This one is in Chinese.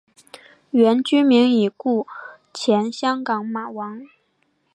原居民是已故前香港马王。